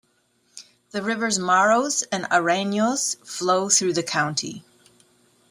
The rivers Maros and Aranyos flow through the county.